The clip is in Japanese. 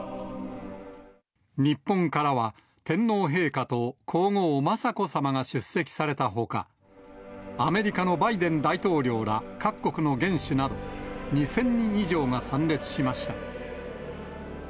日本からは、天皇陛下と皇后雅子さまが出席されたほか、アメリカのバイデン大統領ら各国の元首など２０００人以上が参列しました。